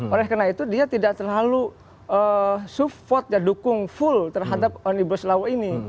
oleh karena itu dia tidak terlalu support dan dukung full terhadap omnibus law ini